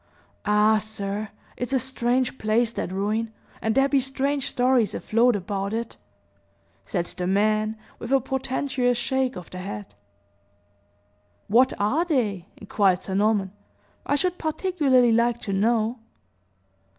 Ah, sir, it's a strange place, that ruin, and there be strange stories afloat about it," said the man, with a portentious shake of the head. "What are they?" inquired Sir Norman. "I should particularly like to know."